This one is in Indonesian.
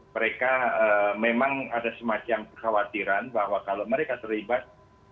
mereka memang ada semacam kekhawatiran bahwa kalau mereka terlibat